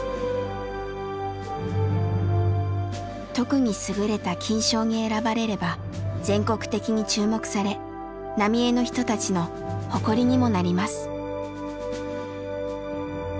特に優れた金賞に選ばれれば全国的に注目され浪江の人たちの誇りにもなります。